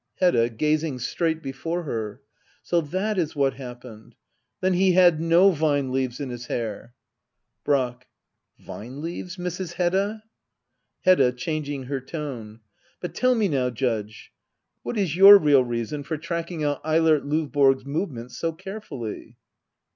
Hedda. [Gazing straight before her,] So that is what happened. Then he had no vine leaves in his hair. Brack. Vine leaves, Mrs. Hedda ? Hedda. [Changing her tone."] But tell me now. Judge — what is your real reason for tracking out Eilert Lovborg's movements so carefully